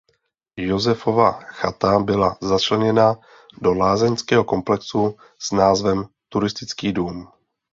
Josefova chata byla začleněna do lázeňského komplexu s názvem "Turistický dům".